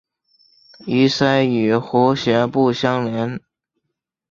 鳃膜与喉峡部相连。